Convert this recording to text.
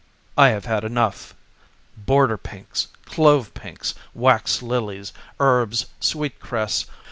I have had enough border pinks, clove pinks, wax lilies, herbs, sweet cress.